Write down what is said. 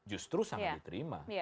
justru sangat diterima